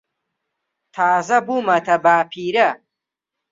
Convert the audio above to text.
تازە بوومەتە باپیرە.